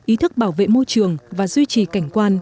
ý thức bảo vệ môi trường và duy trì cảnh quan